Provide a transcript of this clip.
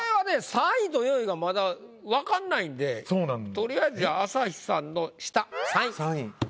３位と４位がまだ分かんないんでとりあえずじゃあ朝日さんの下３位。